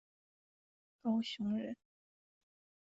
高雄人。